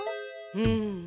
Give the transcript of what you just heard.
うん。